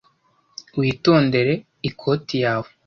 Witondere. Ikoti yawe.